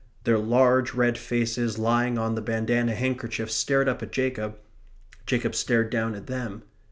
The large red faces lying on the bandanna handkerchiefs stared up at Jacob. Jacob stared down at them.